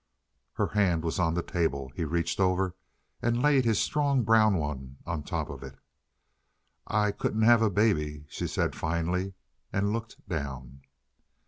Her hand was on the table. He reached over and laid his strong brown one on top of it. "I couldn't have a baby," she said, finally, and looked down.